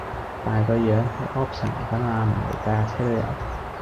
但係嗰樣係 option 嚟咋嘛，唔係架架車都有